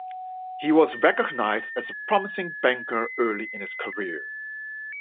He was recognized as a promising banker early in his career.